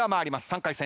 ３回戦